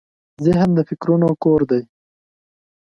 ذهن د فکرونو کور دی.